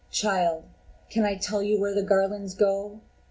"Child! can I tell where the garlands go?